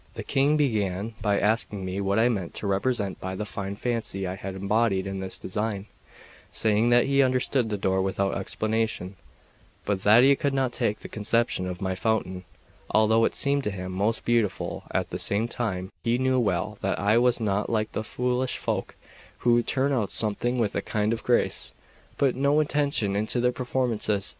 The King began by asking me what I meant to represent by the fine fancy I had embodied in this design, saying that he had understood the door without explanation, but that he could not take the conception of my fountain, although it seemed to him most beautiful; at the same time, he knew well that I was not like those foolish folk who turn out something with a kind of grace, but put no intention into their performances.